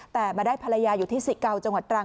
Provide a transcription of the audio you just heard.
แต่มาได้ภรรยาอยู่ที่สิเกาจังหวัดตรัง